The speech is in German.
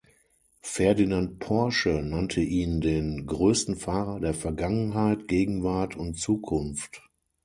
Ferdinand Porsche nannte ihn den „größten Fahrer der Vergangenheit, Gegenwart und Zukunft“.